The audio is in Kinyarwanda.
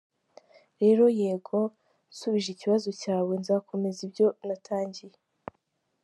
Rero, yego, nsubije ikibazo cyawe, nzakomeza ibyo natangiye.